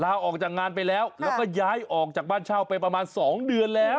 ลาออกจากงานไปแล้วแล้วก็ย้ายออกจากบ้านเช่าไปประมาณ๒เดือนแล้ว